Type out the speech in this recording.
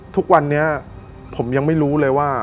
ทุกวันนี้ผมยังไม่รู้เลยว่า